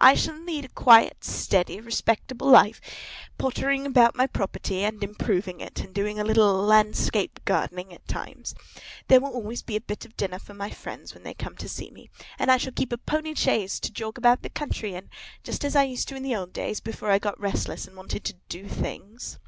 I shall lead a quiet, steady, respectable life, pottering about my property, and improving it, and doing a little landscape gardening at times. There will always be a bit of dinner for my friends when they come to see me; and I shall keep a pony chaise to jog about the country in, just as I used to in the good old days, before I got restless, and wanted to do things."